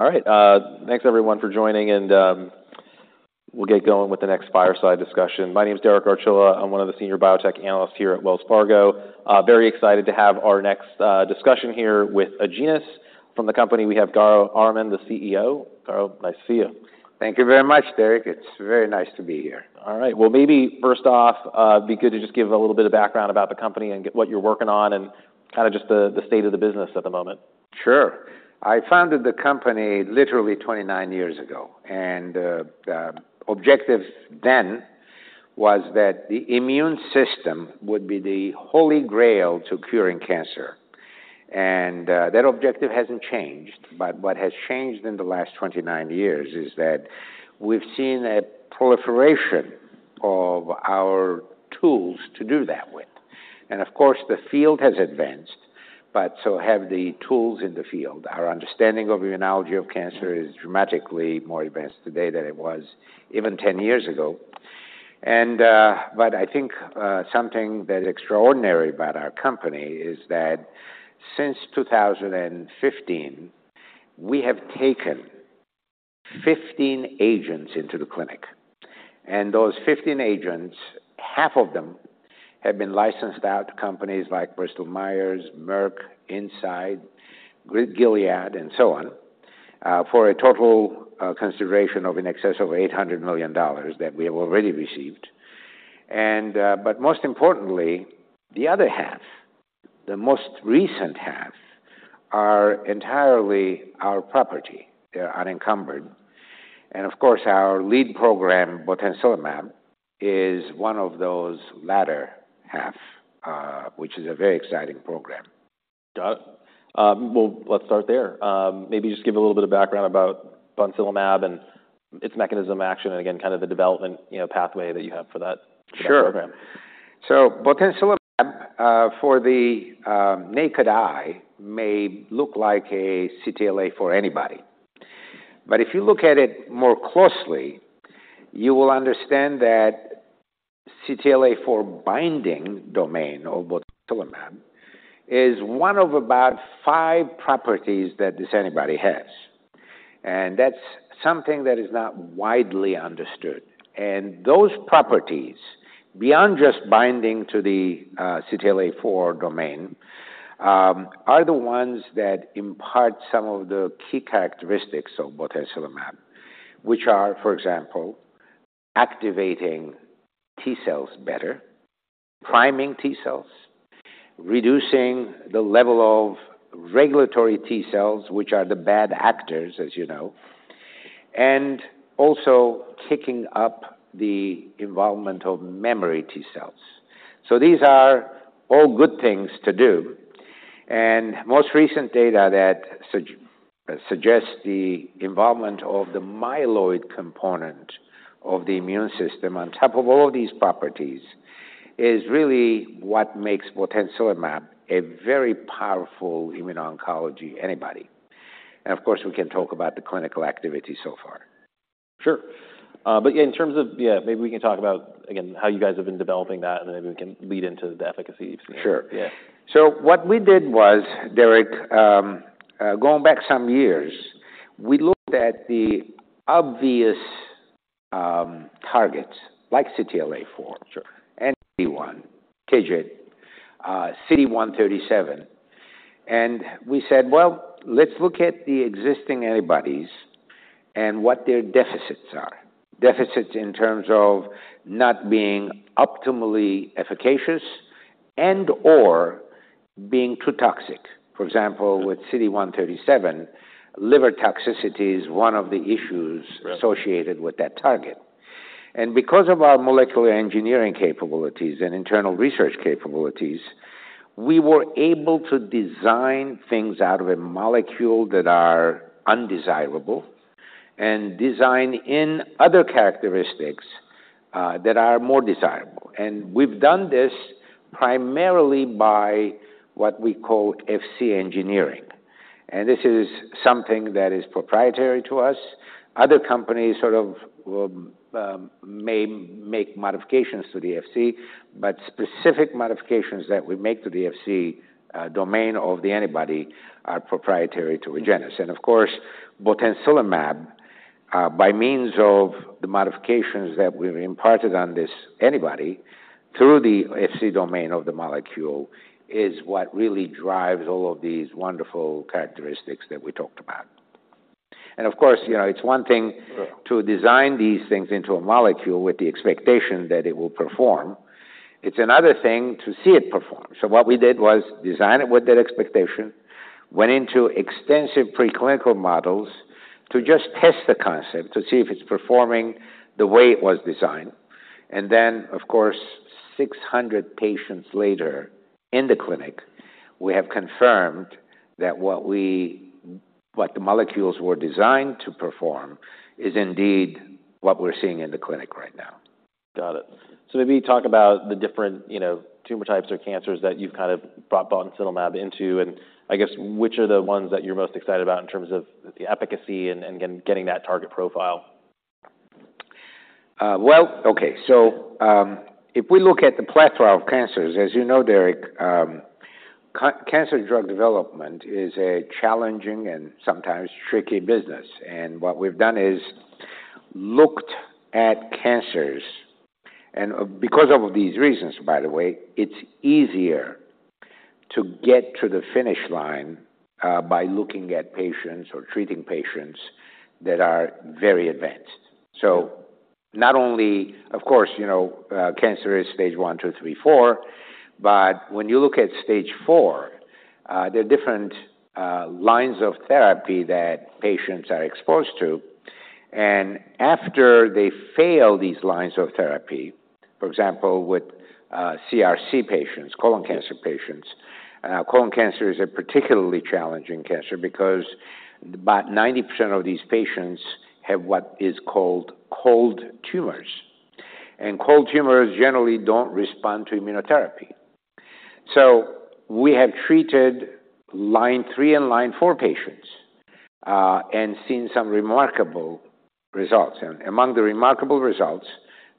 All right, thanks everyone for joining and, we'll get going with the next fireside discussion. My name is Derek Archila. I'm one of the senior biotech analysts here at Wells Fargo. Very excited to have our next discussion here with Agenus. From the company, we have Garo Armen, the CEO. Garo, nice to see you. Thank you very much, Derek. It's very nice to be here. All right, well, maybe first off, it'd be good to just give a little bit of background about the company and get what you're working on, and kind of just the state of the business at the moment. Sure. I founded the company literally 29 years ago, and the objective then was that the immune system would be the holy grail to curing cancer. And that objective hasn't changed, but what has changed in the last 29 years is that we've seen a proliferation of our tools to do that with. And of course, the field has advanced, but so have the tools in the field. Our understanding of immunology of cancer is dramatically more advanced today than it was even 10 years ago. And... But I think, something that is extraordinary about our company is that since 2015, we have taken 15 agents into the clinic, and those 15 agents, half of them have been licensed out to companies like Bristol Myers, Merck, Incyte, Grid, Gilead, and so on, for a total consideration of in excess of $800 million that we have already received. But most importantly, the other half, the most recent half, are entirely our property. They're unencumbered. And of course, our lead program, botensilimab, is one of those latter half, which is a very exciting program. Got it. Well, let's start there. Maybe just give a little bit of background about botensilimab and its mechanism of action, and again, kind of the development, you know, pathway that you have for that program. Sure. So botensilimab, for the naked eye, may look like a CTLA-4 antibody, but if you look at it more closely, you will understand that CTLA-4 binding domain of botensilimab is one of about five properties that this antibody has, and that's something that is not widely understood. And those properties, beyond just binding to the CTLA-4 domain, are the ones that impart some of the key characteristics of botensilimab, which are, for example, activating T cells better, priming T cells, reducing the level of regulatory T cells, which are the bad actors, as you know, and also kicking up the involvement of memory T cells. So these are all good things to do, and most recent data that suggests the involvement of the myeloid component of the immune system on top of all these properties, is really what makes botensilimab a very powerful immuno-oncology antibody. And of course, we can talk about the clinical activity so far. Sure. But yeah, in terms of... Yeah, maybe we can talk about, again, how you guys have been developing that, and then we can lead into the efficacy. Sure. Yeah. So what we did was, Derek, going back some years, we looked at the obvious, targets like CTLA-4- Sure... and PD-1, TIGIT, CD137, and we said, "Well, let's look at the existing antibodies and what their deficits are." Deficits in terms of not being optimally efficacious and/or being too toxic. For example, with CD137, liver toxicity is one of the issues- Right - associated with that target. And because of our molecular engineering capabilities and internal research capabilities, we were able to design things out of a molecule that are undesirable and design in other characteristics that are more desirable. And we've done this primarily by what we call FC engineering, and this is something that is proprietary to us. Other companies may make modifications to the FC, but specific modifications that we make to the FC domain of the antibody are proprietary to Agenus. And of course, botensilimab, by means of the modifications that we've imparted on this antibody through the FC domain of the molecule, is what really drives all of these wonderful characteristics that we talked about. And of course, you know, it's one thing- Sure To design these things into a molecule with the expectation that it will perform. It's another thing to see it perform. So what we did was design it with that expectation, went into extensive preclinical models to just test the concept, to see if it's performing the way it was designed, and then, of course, 600 patients later in the clinic, we have confirmed that what the molecules were designed to perform is indeed what we're seeing in the clinic right now. Got it. So maybe talk about the different, you know, tumor types or cancers that you've kind of brought botensilimab into, and I guess, which are the ones that you're most excited about in terms of the efficacy and, and getting that target profile?... Well, okay. So, if we look at the plethora of cancers, as you know, Derek, cancer drug development is a challenging and sometimes tricky business. And what we've done is looked at cancers, and because of these reasons, by the way, it's easier to get to the finish line by looking at patients or treating patients that are very advanced. So not only, of course, you know, cancer is stage 1, 2, 3, 4, but when you look at stage 4, there are different lines of therapy that patients are exposed to. And after they fail these lines of therapy, for example, with CRC patients, colon cancer patients. Colon cancer is a particularly challenging cancer because about 90% of these patients have what is called cold tumors, and cold tumors generally don't respond to immunotherapy. So we have treated line 3 and line 4 patients and seen some remarkable results. And among the remarkable results,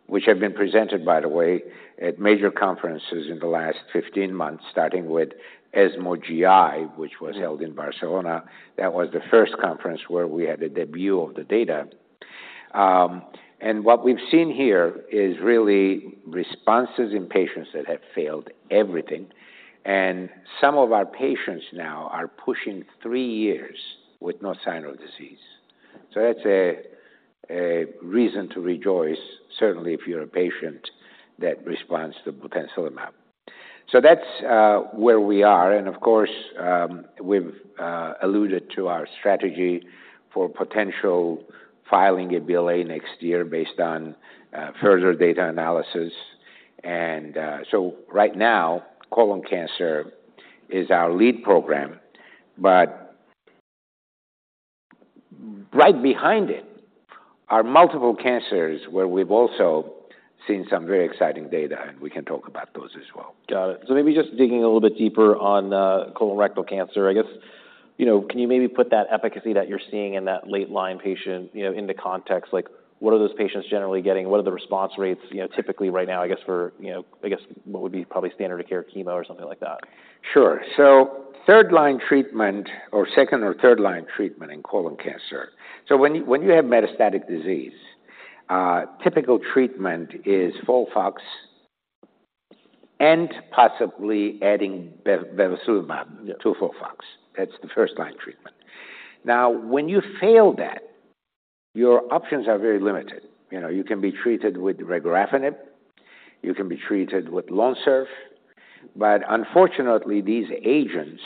which have been presented, by the way, at major conferences in the last 15 months, starting with ESMO GI, which was held in Barcelona. That was the first conference where we had a debut of the data. And what we've seen here is really responses in patients that have failed everything, and some of our patients now are pushing 3 years with no sign of disease. So that's a reason to rejoice, certainly if you're a patient that responds to botensilimab. So that's where we are. And of course, we've alluded to our strategy for potential filing a BLA next year based on further data analysis. Right now, colon cancer is our lead program, but right behind it are multiple cancers, where we've also seen some very exciting data, and we can talk about those as well. Got it. So maybe just digging a little bit deeper on colorectal cancer, I guess, you know, can you maybe put that efficacy that you're seeing in that late line patient, you know, in the context, like, what are those patients generally getting? What are the response rates, you know, typically right now, I guess for, you know, I guess what would be probably standard of care, chemo or something like that? Sure. So third line treatment or second or third line treatment in colon cancer. So when you have metastatic disease, typical treatment is FOLFOX and possibly adding bevacizumab to FOLFOX. Yeah. That's the first-line treatment. Now, when you fail that, your options are very limited. You know, you can be treated with regorafenib, you can be treated with Lonsurf, but unfortunately, these agents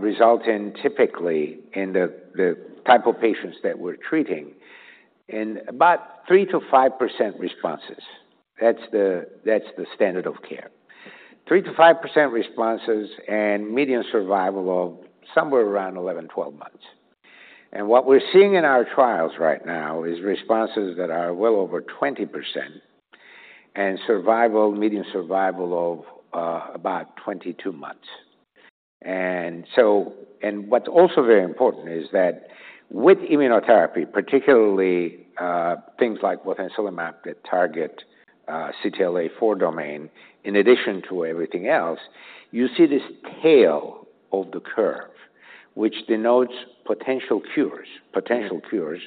result in typically in the type of patients that we're treating, in about 3%-5% responses. That's the standard of care. 3%-5% responses and median survival of somewhere around 11-12 months. And what we're seeing in our trials right now is responses that are well over 20% and survival, median survival of about 22 months. And so, and what's also very important is that with immunotherapy, particularly things like botensilimab that target CTLA-4 domain, in addition to everything else, you see this tail of the curve, which denotes potential cures. Mm-hmm. Potential cures,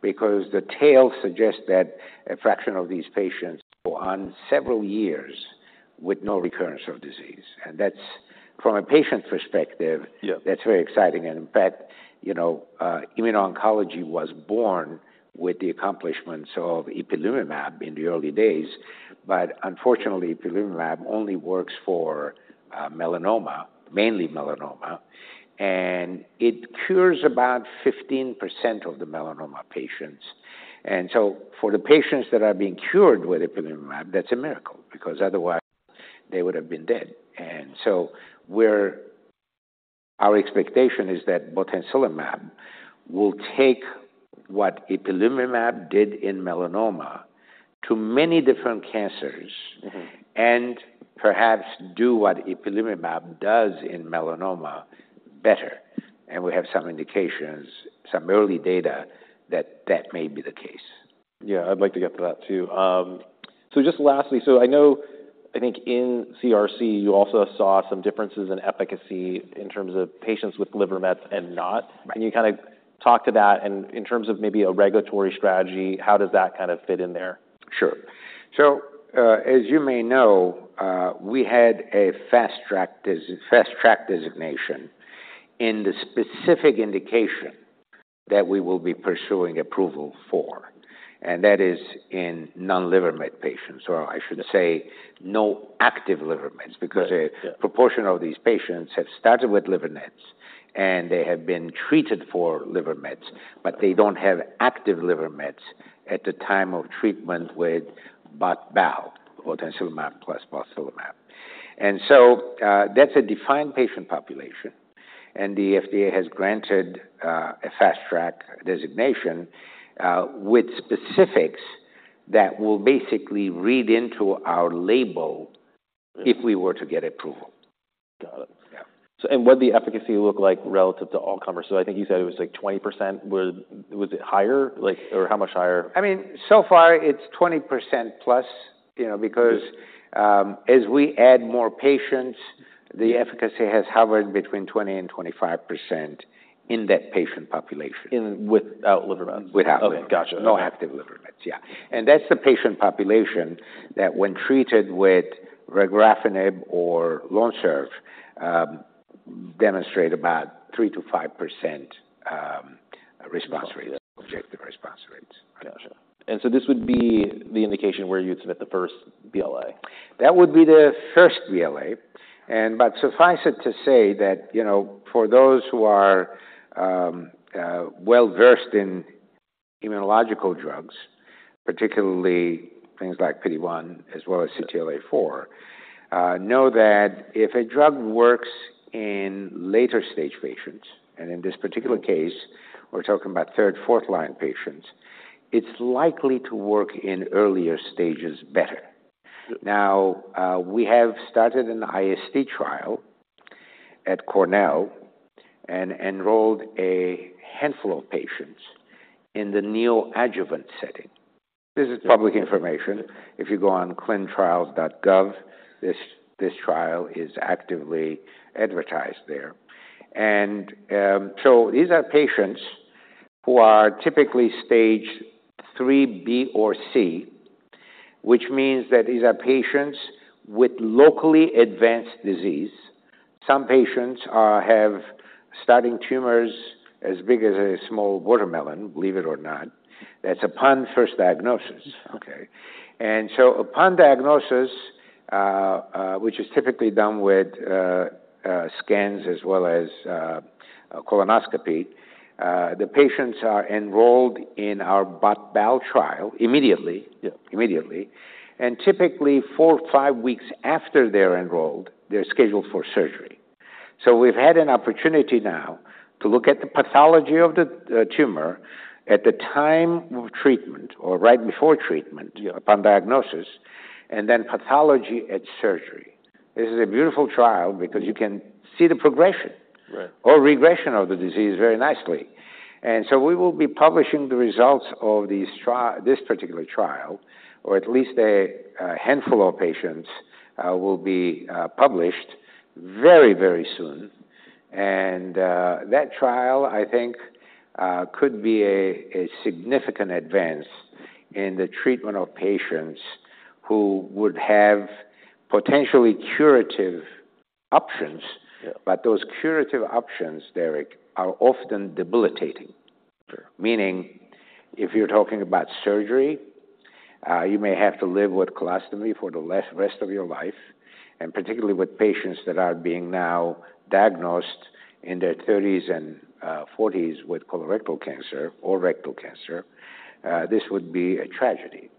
because the tail suggests that a fraction of these patients go on several years with no recurrence of disease. And that's from a patient perspective- Yeah. That's very exciting. And in fact, you know, immuno-oncology was born with the accomplishments of ipilimumab in the early days. But unfortunately, ipilimumab only works for melanoma, mainly melanoma, and it cures about 15% of the melanoma patients. And so for the patients that are being cured with ipilimumab, that's a miracle, because otherwise they would have been dead. And so where our expectation is that botensilimab will take what ipilimumab did in melanoma to many different cancers- Mm-hmm. And perhaps do what ipilimumab does in melanoma better. We have some indications, some early data, that that may be the case. Yeah, I'd like to get to that, too. So just lastly, so I know, I think in CRC, you also saw some differences in efficacy in terms of patients with liver mets and not. Right. Can you kind of talk to that? In terms of maybe a regulatory strategy, how does that kind of fit in there? Sure. So, as you may know, we had a Fast Track, Fast Track designation in the specific indication that we will be pursuing approval for, and that is in non-liver met patients, or I should say- Yeah... no active liver mets, because- Right. Yeah A proportion of these patients have started with liver mets, and they have been treated for liver mets, but they don't have active liver mets at the time of treatment with botensilimab plus balstilimab. And so, that's a defined patient population, and the FDA has granted a Fast Track designation with specifics that will basically read into our label. Mm-hmm if we were to get approval.... Got it. Yeah. So and what the efficacy look like relative to all comers? So I think you said it was like 20%. Was it higher, like, or how much higher? I mean, so far it's 20%+, you know, because, as we add more patients, the efficacy has hovered between 20% and 25% in that patient population. In without liver mets? Without liver. Gotcha. No active liver mets. Yeah. And that's the patient population that when treated with regorafenib or Lonsurf demonstrate about 3%-5% response rate, objective response rate. Gotcha. And so this would be the indication where you'd submit the first BLA? That would be the first BLA, but suffice it to say that, you know, for those who are well-versed in immunological drugs, particularly things like PD-1 as well as CTLA-4, know that if a drug works in later-stage patients, and in this particular case, we're talking about third, fourth line patients, it's likely to work in earlier stages better. Yeah. Now, we have started an IST trial at Cornell and enrolled a handful of patients in the neoadjuvant setting. This is public information. If you go on clinicaltrials.gov, this, this trial is actively advertised there. So these are patients who are typically stage 3B or C, which means that these are patients with locally advanced disease. Some patients have starting tumors as big as a small watermelon, believe it or not. That's upon first diagnosis. Okay. Upon diagnosis, which is typically done with scans as well as colonoscopy, the patients are enrolled in our BOT/BAL trial. Immediately. Yeah. Immediately. And typically, 4-5 weeks after they're enrolled, they're scheduled for surgery. So we've had an opportunity now to look at the pathology of the tumor at the time of treatment or right before treatment. Yeah upon diagnosis, and then pathology at surgery. This is a beautiful trial because you can see the progression- Right -or regression of the disease very nicely. So we will be publishing the results of these trial, this particular trial, or at least a handful of patients will be published very, very soon. And that trial, I think, could be a significant advance in the treatment of patients who would have potentially curative options. Yeah. But those curative options, Derek, are often debilitating. Sure. Meaning, if you're talking about surgery, you may have to live with colostomy for the rest of your life, and particularly with patients that are being now diagnosed in their thirties and forties with colorectal cancer or rectal cancer, this would be a tragedy.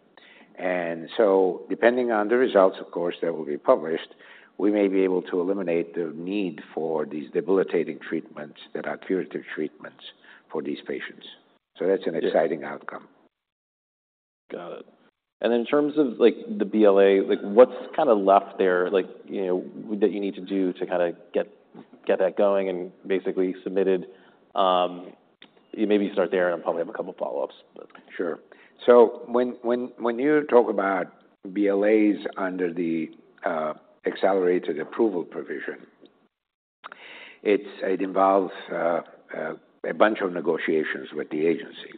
And so depending on the results, of course, that will be published, we may be able to eliminate the need for these debilitating treatments that are curative treatments for these patients. So that's an exciting outcome. Got it. And in terms of like, the BLA, like, what's kind of left there, like, you know, that you need to do to kinda get that going and basically submitted? Maybe start there, and probably have a couple follow-ups. Sure. So when you talk about BLAs under the Accelerated Approval provision, it involves a bunch of negotiations with the agency.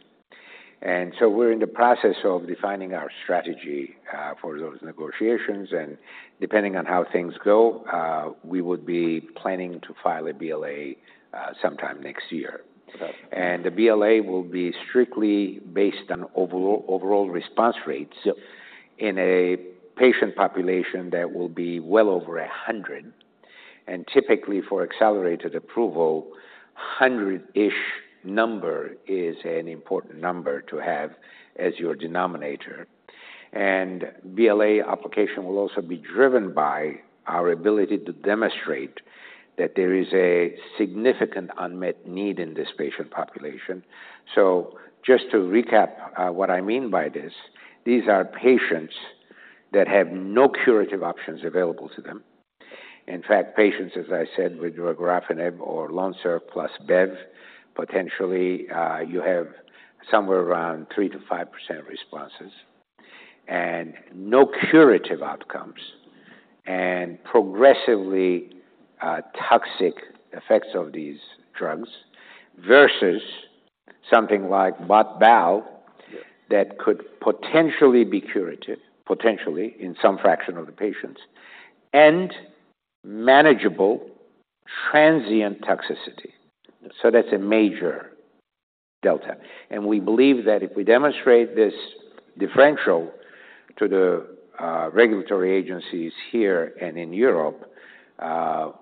So we're in the process of defining our strategy for those negotiations, and depending on how things go, we would be planning to file a BLA sometime next year. Okay. The BLA will be strictly based on overall, overall response rates- Yeah in a patient population that will be well over 100. And typically, for accelerated approval, 100-ish number is an important number to have as your denominator. And BLA application will also be driven by our ability to demonstrate that there is a significant unmet need in this patient population. So just to recap, what I mean by this, these are patients that have no curative options available to them. In fact, patients, as I said, with regorafenib or Lonsurf plus Bev, potentially, you have somewhere around 3%-5% responses and no curative outcomes, and progressively, toxic effects of these drugs, versus something like BOT/BAL - Yeah -that could potentially be curative, potentially in some fraction of the patients, and manageable transient toxicity. So that's a major delta. And we believe that if we demonstrate this differential to the regulatory agencies here and in Europe,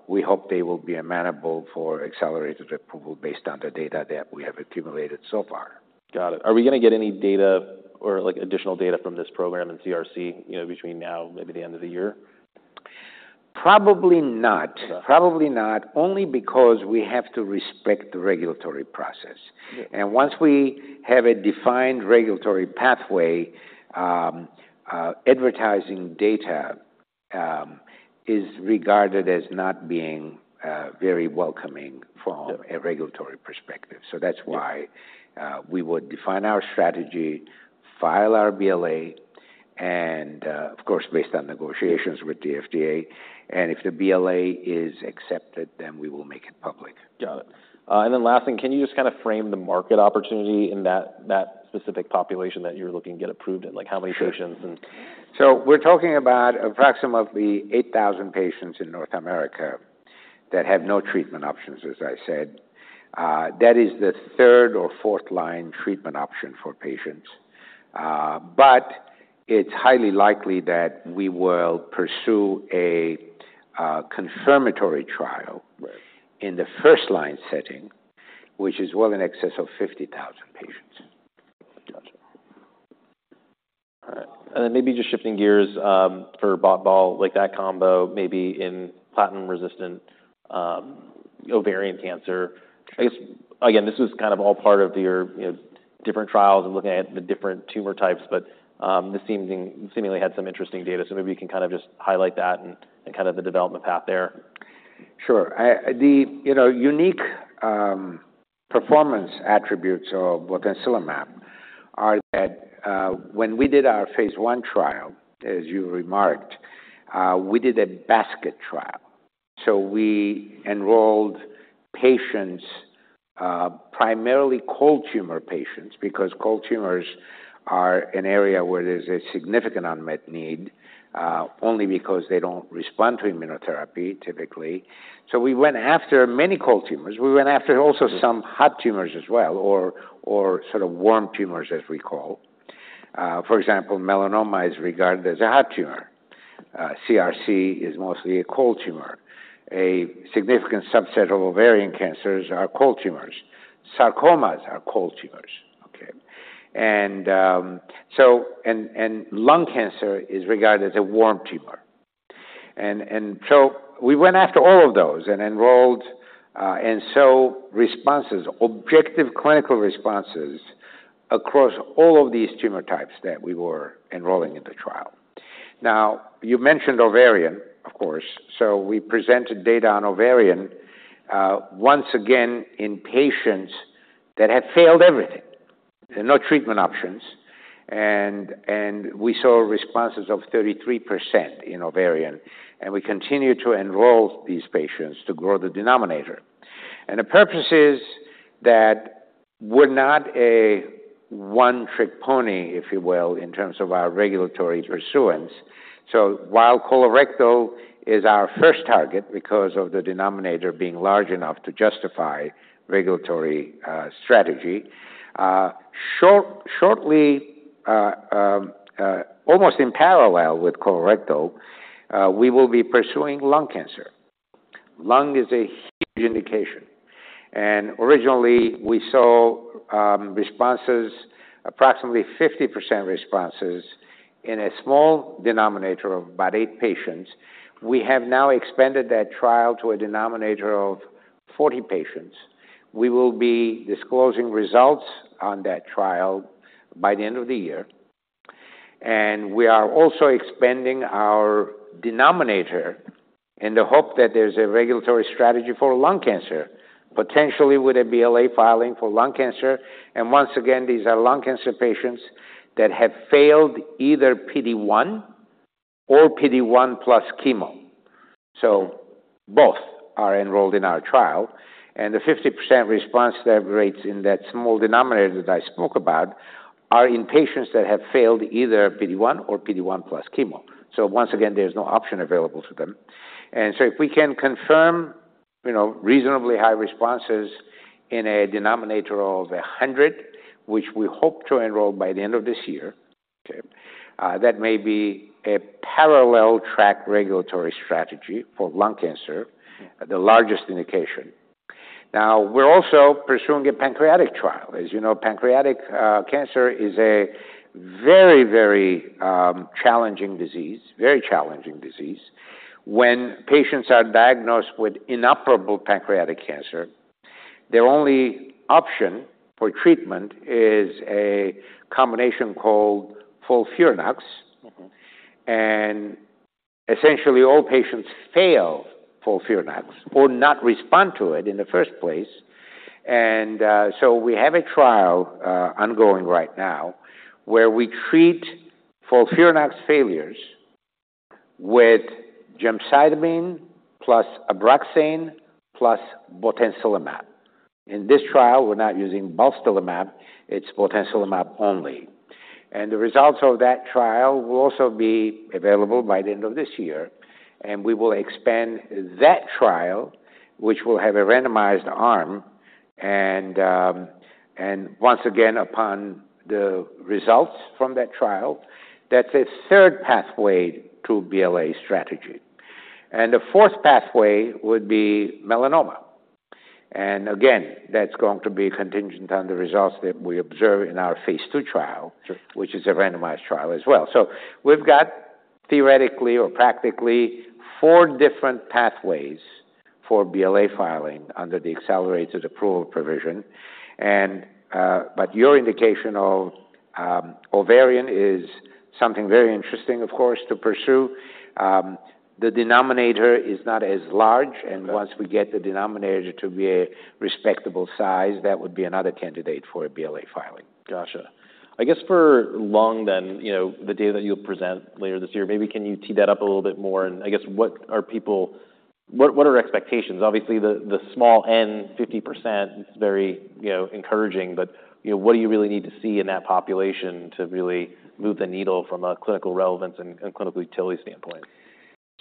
we hope they will be amenable for accelerated approval based on the data that we have accumulated so far. Got it. Are we gonna get any data or, like, additional data from this program in CRC, you know, between now maybe the end of the year? Probably not. Okay. Probably not. Only because we have to respect the regulatory process. Yeah. Once we have a defined regulatory pathway, advertising data is regarded as not being very welcoming from a regulatory perspective. That's why we would define our strategy, file our BLA, and of course, based on negotiations with the FDA, and if the BLA is accepted, then we will make it public. Got it. And then last thing, can you just kind of frame the market opportunity in that, that specific population that you're looking to get approved in? Like, how many patients and- So we're talking about approximately 8,000 patients in North America that have no treatment options, as I said. That is the third or fourth line treatment option for patients. But it's highly likely that we will pursue a confirmatory trial- Right -in the first line setting, which is well in excess of 50,000 patients. Gotcha. All right, and then maybe just shifting gears, for botensilimab, like that combo, maybe in platinum-resistant ovarian cancer. I guess, again, this is kind of all part of your, you know, different trials and looking at the different tumor types, but this seemingly had some interesting data. So maybe you can kind of just highlight that and kind of the development path there. Sure. You know, the unique performance attributes of botensilimab are that, when we did our phase one trial, as you remarked, we did a basket trial. So we enrolled patients, primarily cold tumor patients, because cold tumors are an area where there's a significant unmet need, only because they don't respond to immunotherapy, typically. So we went after many cold tumors. We went after also some hot tumors as well, or sort of warm tumors, as we call. For example, melanoma is regarded as a hot tumor. CRC is mostly a cold tumor. A significant subset of ovarian cancers are cold tumors. Sarcomas are cold tumors. Okay? So lung cancer is regarded as a warm tumor. And so we went after all of those and enrolled, and saw responses, objective clinical responses across all of these tumor types that we were enrolling in the trial. Now, you mentioned ovarian, of course, so we presented data on ovarian, once again, in patients that had failed everything. There are no treatment options, and we saw responses of 33% in ovarian, and we continue to enroll these patients to grow the denominator. And the purpose is that we're not a one-trick pony, if you will, in terms of our regulatory pursuance. So while colorectal is our first target because of the denominator being large enough to justify regulatory strategy, shortly, almost in parallel with colorectal, we will be pursuing lung cancer. Lung is a huge indication, and originally we saw responses, approximately 50% responses in a small denominator of about 8 patients. We have now expanded that trial to a denominator of 40 patients. We will be disclosing results on that trial by the end of the year, and we are also expanding our denominator in the hope that there's a regulatory strategy for lung cancer, potentially with a BLA filing for lung cancer. And once again, these are lung cancer patients that have failed either PD-1 or PD-1 plus chemo. So both are enrolled in our trial, and the 50% response rate in that small denominator that I spoke about are in patients that have failed either PD-1 or PD-1 plus chemo. So once again, there's no option available to them. If we can confirm, you know, reasonably high responses in a denominator of 100, which we hope to enroll by the end of this year, okay, that may be a parallel track regulatory strategy for lung cancer- Mm-hmm. the largest indication. Now, we're also pursuing a pancreatic trial. As you know, pancreatic cancer is a very, very challenging disease, very challenging disease. When patients are diagnosed with inoperable pancreatic cancer, their only option for treatment is a combination called FOLFIRINOX. Mm-hmm. Essentially, all patients fail FOLFIRINOX or not respond to it in the first place. We have a trial ongoing right now, where we treat FOLFIRINOX failures with gemcitabine plus Abraxane plus botensilimab. In this trial, we're not using balstilimab, it's botensilimab only. The results of that trial will also be available by the end of this year, and we will expand that trial, which will have a randomized arm, and once again, upon the results from that trial, that's a third pathway to BLA strategy. The fourth pathway would be melanoma. Again, that's going to be contingent on the results that we observe in our phase two trial. Sure ...which is a randomized trial as well. So we've got, theoretically or practically, four different pathways... for BLA filing under the accelerated approval provision. And, but your indication of ovarian is something very interesting, of course, to pursue. The denominator is not as large, and once we get the denominator to be a respectable size, that would be another candidate for a BLA filing. Gotcha. I guess for lung then, you know, the data that you'll present later this year, maybe can you tee that up a little bit more? And I guess, what are people—what are expectations? Obviously, the small N, 50% is very, you know, encouraging, but, you know, what do you really need to see in that population to really move the needle from a clinical relevance and clinical utility standpoint?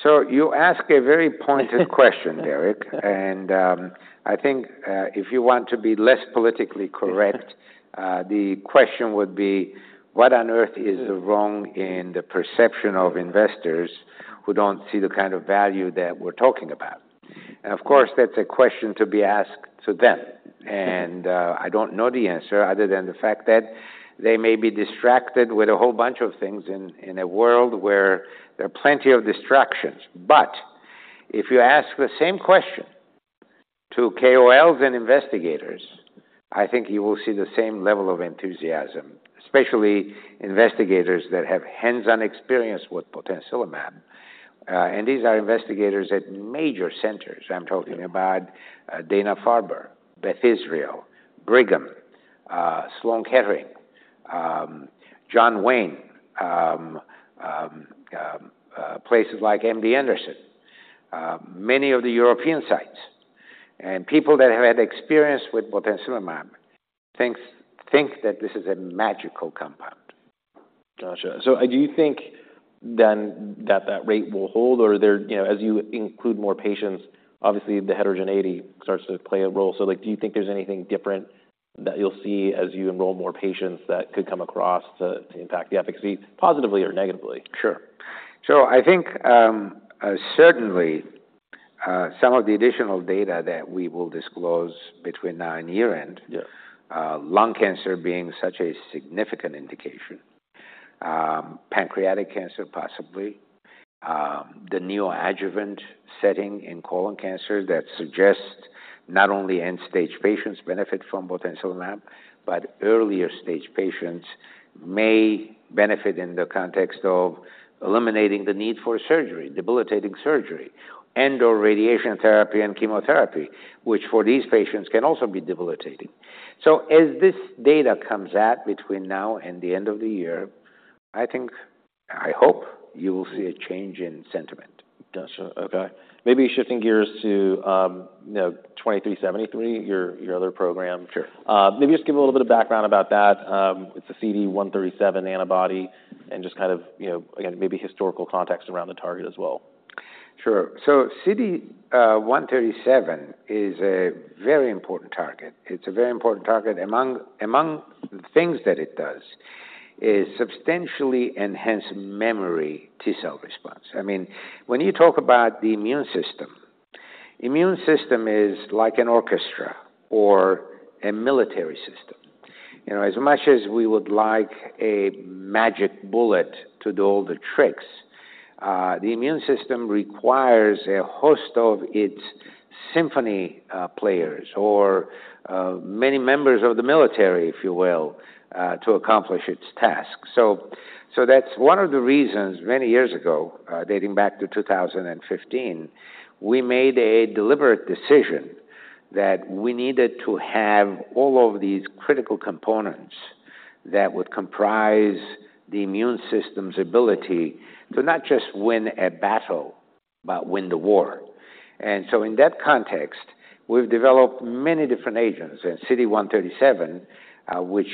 So you ask a very pointed question, Derek, and, I think, if you want to be less politically correct, the question would be, what on earth is wrong in the perception of investors who don't see the kind of value that we're talking about? And of course, that's a question to be asked to them. And, I don't know the answer other than the fact that they may be distracted with a whole bunch of things in a world where there are plenty of distractions. But if you ask the same question to KOLs and investigators, I think you will see the same level of enthusiasm, especially investigators that have hands-on experience with botensilimab. And these are investigators at major centers. I'm talking about Dana-Farber, Beth Israel, Brigham, Sloan Kettering, places like MD Anderson, many of the European sites. People that have had experience with botensilimab think that this is a magical compound. Gotcha. So do you think then that that rate will hold, or there, you know, as you include more patients, obviously the heterogeneity starts to play a role. So, like, do you think there's anything different that you'll see as you enroll more patients that could come across to, to impact the efficacy positively or negatively? Sure. So I think, certainly, some of the additional data that we will disclose between now and year-end- Yeah... lung cancer being such a significant indication, pancreatic cancer, possibly, the neoadjuvant setting in colon cancer, that suggests not only end-stage patients benefit from botensilimab, but earlier-stage patients may benefit in the context of eliminating the need for surgery, debilitating surgery, and/or radiation therapy and chemotherapy, which for these patients, can also be debilitating. So as this data comes out between now and the end of the year, I think, I hope you will see a change in sentiment. Gotcha. Okay, maybe shifting gears to, you know, 2373, your, your other program. Sure. Maybe just give a little bit of background about that. It's a CD137 antibody and just kind of, you know, again, maybe historical context around the target as well. Sure. So CD137 is a very important target. It's a very important target. Among the things that it does is substantially enhance memory T cell response. I mean, when you talk about the immune system, the immune system is like an orchestra or a military system. You know, as much as we would like a magic bullet to do all the tricks, the immune system requires a host of its symphony players or many members of the military, if you will, to accomplish its task. So that's one of the reasons, many years ago, dating back to 2015, we made a deliberate decision that we needed to have all of these critical components that would comprise the immune system's ability to not just win a battle, but win the war. And so in that context, we've developed many different agents, and CD137, which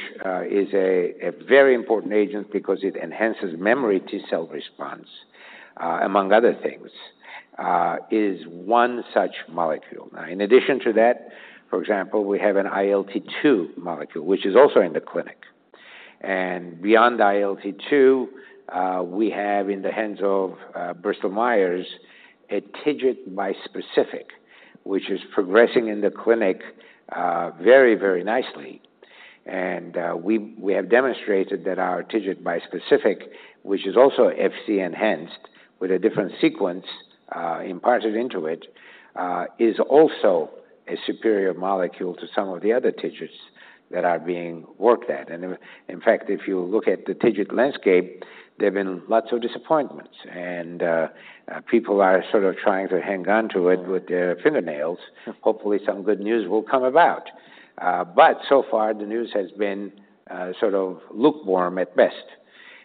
is a very important agent because it enhances memory T cell response, among other things, is one such molecule. Now, in addition to that, for example, we have an ILT2 molecule, which is also in the clinic. And beyond ILT2, we have in the hands of Bristol Myers, a TIGIT bispecific, which is progressing in the clinic very, very nicely. And, we have demonstrated that our TIGIT bispecific, which is also Fc-enhanced with a different sequence imparted into it, is also a superior molecule to some of the other TIGITs that are being worked at. And in fact, if you look at the TIGIT landscape, there have been lots of disappointments, and, people are sort of trying to hang on to it with their fingernails. Hopefully, some good news will come about. But so far, the news has been, sort of lukewarm at best.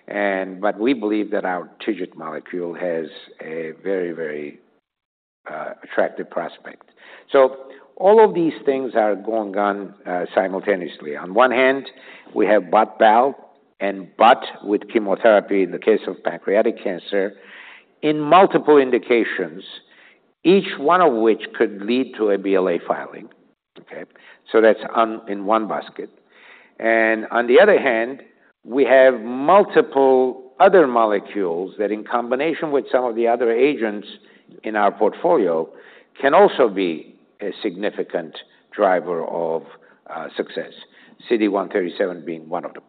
And but we believe that our TIGIT molecule has a very, very, attractive prospect. So all of these things are going on, simultaneously. On one hand, we have BOT/BAL and BOT with chemotherapy in the case of pancreatic cancer, in multiple indications, each one of which could lead to a BLA filing. Okay, so that's on, in one basket. And on the other hand, we have multiple other molecules that, in combination with some of the other agents in our portfolio, can also be a significant driver of, success. CD137 being one of them. ...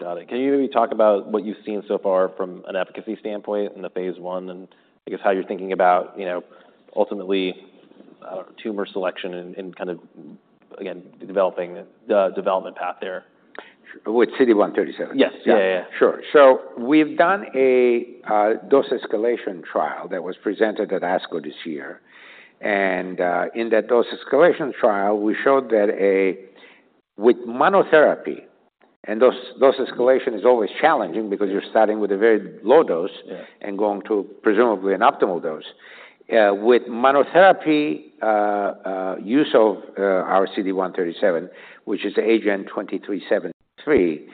Got it. Can you talk about what you've seen so far from an efficacy standpoint in the phase 1, and I guess how you're thinking about, you know, ultimately, tumor selection and, and kind of, again, developing the development path there? With CD137? Yes. Yeah, yeah. Sure. So we've done a dose escalation trial that was presented at ASCO this year, and in that dose escalation trial, we showed that with monotherapy, and dose escalation is always challenging because you're starting with a very low dose- Yeah going to presumably an optimal dose. With monotherapy use of our CD137, which is the AGEN2373,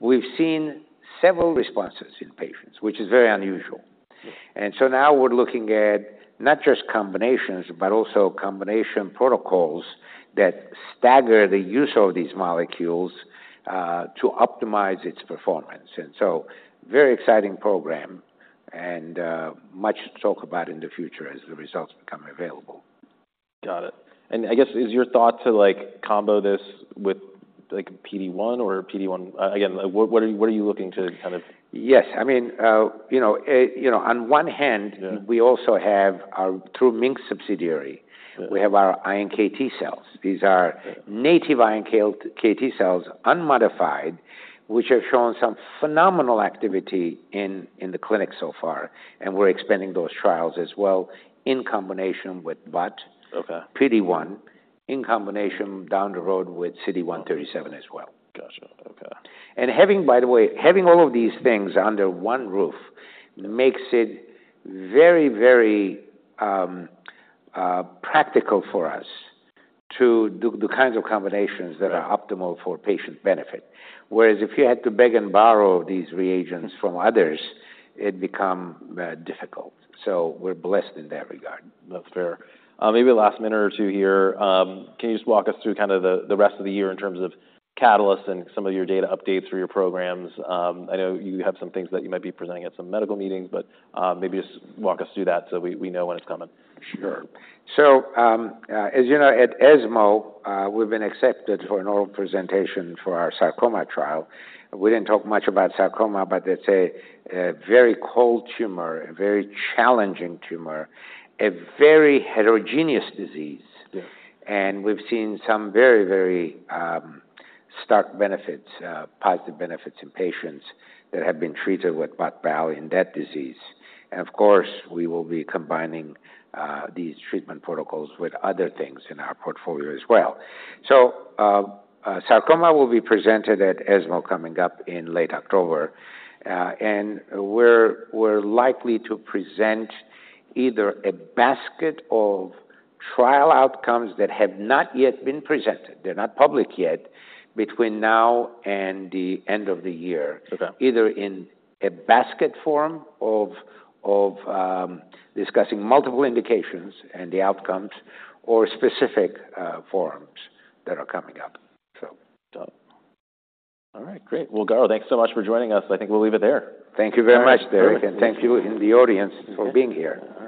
we've seen several responses in patients, which is very unusual. Yeah. And so now we're looking at not just combinations, but also combination protocols that stagger the use of these molecules, to optimize its performance. And so, very exciting program, and, much to talk about in the future as the results become available. Got it. And I guess, is your thought to, like, combo this with, like, PD-1 or PD-1...? Again, what, what are you looking to kind of? Yes, I mean, you know, you know, on one hand- Yeah We also have our MiNK subsidiary. Sure. We have our iNKT cells. These are- Yeah -native iNKT cells, unmodified, which have shown some phenomenal activity in the clinic so far, and we're expanding those trials as well, in combination with BOT- Okay... PD-1, in combination down the road with CD137 as well. Got you. Okay. And having, by the way, all of these things under one roof makes it very, very practical for us to do the kinds of combinations that are optimal for patient benefit. Whereas if you had to beg and borrow these reagents from others, it'd become difficult. So we're blessed in that regard. That's fair. Maybe the last minute or two here, can you just walk us through kind of the rest of the year in terms of catalysts and some of your data updates for your programs? I know you have some things that you might be presenting at some medical meetings, but maybe just walk us through that so we know when it's coming. Sure. So, as you know, at ESMO, we've been accepted for an oral presentation for our sarcoma trial. We didn't talk much about sarcoma, but that's a very cold tumor, a very challenging tumor, a very heterogeneous disease. Yeah. And we've seen some very, very, stark benefits, positive benefits in patients that have been treated with botensilimab balstilimab in that disease. And of course, we will be combining these treatment protocols with other things in our portfolio as well. So, sarcoma will be presented at ESMO, coming up in late October, and we're likely to present either a basket of trial outcomes that have not yet been presented, they're not public yet, between now and the end of the year- Okay... either in a basket form of discussing multiple indications and the outcomes or specific forms that are coming up. So. Got it. All right, great. Well, Garo, thanks so much for joining us. I think we'll leave it there. Thank you very much, Derek, and thank you and the audience for being here.